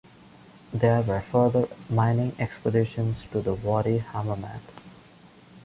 There were further mining expeditions to the Wadi Hammamat.